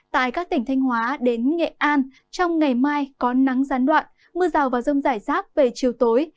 tại các tỉnh thanh hóa đến nghệ an trong ngày mai có nắng gián đoạn mưa rào và rông rải rác về chiều tối